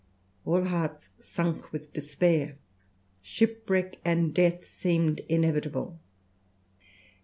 All hearts sunk with despair; shipwreck and death seemed inevitable.